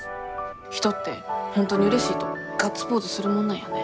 人って本当にうれしいとガッツポーズするもんなんやね。